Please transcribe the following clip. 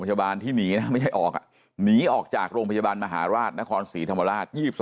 พยาบาลที่หนีไม่ใช่ออกนี้ออกจากโรงพยาบาลมหาราชนครศรี